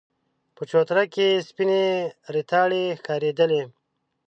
په چوتره کې سپينې ريتاړې ښکارېدلې.